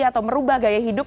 atau merubah gaya hidup